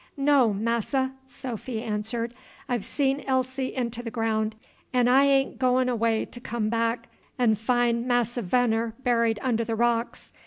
"No, Masse!" Sophy answered. "I've seen Elsie into th' ground, 'n' I a'n't goin' away to come back 'n' fin' Masse Veneer buried under th' rocks.